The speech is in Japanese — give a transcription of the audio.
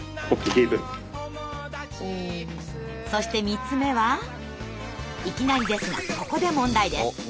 そして３つ目はいきなりですがここで問題です。